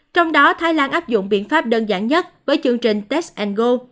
trong đó thái lan áp dụng biện pháp đơn giản nhất với chương trình test engo